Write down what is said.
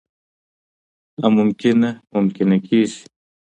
نا ممکنه ممکنه کېږي.